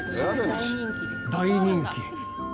大人気。